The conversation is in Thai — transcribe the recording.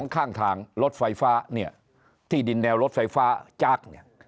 ข้างทางรถไฟฟ้าเนี่ยที่ดินแนวรถไฟฟ้าจากเนี่ย